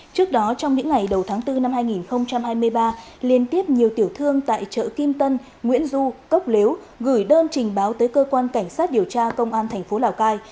trước đó trong những ngày đầu tháng bốn năm hai nghìn hai mươi ba liên tiếp nhiều tiểu thương tại chợ kim tân nguyễn du cốc lếu gửi đơn trình báo tới cơ quan cảnh sát điều tra công an thành phố lào cai